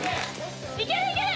いけるいける！